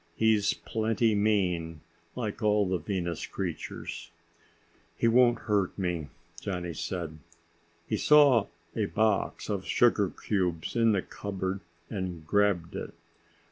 "He's plenty mean, like all the Venus creatures." "He won't hurt me," Johnny said. He saw a box of sugar cubes in the cupboard and grabbed it.